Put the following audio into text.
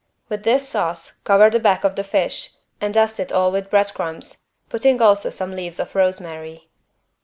With this sauce cover the back of the fish and dust it all with bread crumbs, putting also some leaves of rosemary.